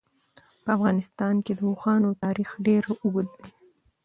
په افغانستان کې د اوښانو تاریخ ډېر اوږد دی.